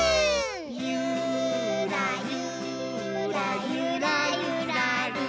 「ゆーらゆーらゆらゆらりー」